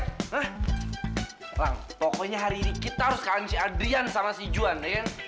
elang pokoknya hari ini kita harus kalahin si adrian sama si juan